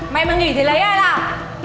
mày mà nghỉ thì lấy ai làm